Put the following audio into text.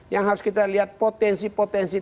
yang harus kita lihat potensi potensi